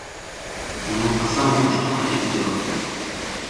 Ну, а со мной что хотите делать?